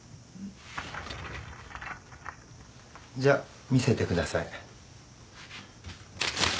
じゃあ見せてください。